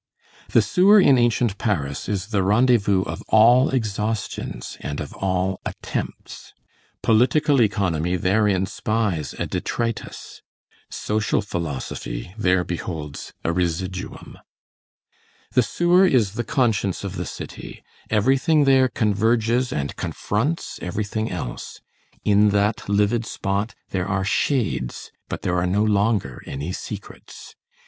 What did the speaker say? The sewer in ancient Paris is the rendezvous of all exhaustions and of all attempts. Political economy therein spies a detritus, social philosophy there beholds a residuum. The sewer is the conscience of the city. Everything there converges and confronts everything else. In that livid spot there are shades, but there are no longer any secrets.